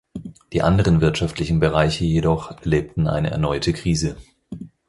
Die anderen wirtschaftlichen Bereiche jedoch erlebten eine erneute Krise.